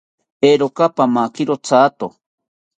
Eero, pamakiro thato